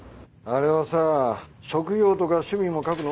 あれはさ職業とか趣味も書くの？